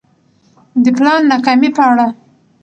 د پلان ناکامي په اړه